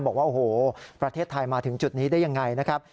บอกว่าโอ้โหประเทศไทยมาถึงจุดนี้ได้ยังไงนะครับ